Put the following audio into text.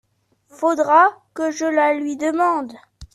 Faudra que je la lui demande…